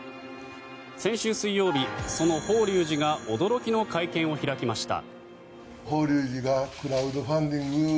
先週水曜日、その法隆寺が驚きの会見を開きました。